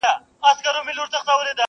که نڅا وي خو زه هم سم نڅېدلای.!